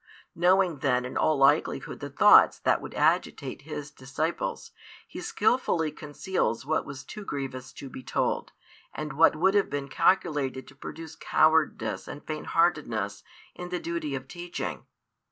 Knowing then in all likelihood the thoughts that would agitate His disciples, He skilfully conceals what was too grievous to be told, and what would have been calculated to produce cowardice and faint heartedness in the duty of teaching.